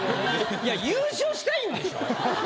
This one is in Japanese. いや優勝したいんでしょ。